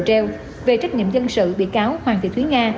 trách nhiệm dân sự bị cáo hoàng thị thúy nga